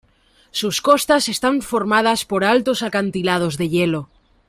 Sus costas están formadas por altos acantilados de hielo.